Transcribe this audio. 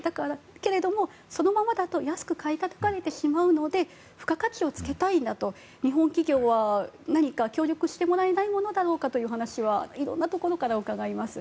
けれど、そのままだと安く買いたたかれてしまうので付加価値をつけたいんだと日本企業は何か協力してもらえないだろうかという話はいろいろなところで伺います。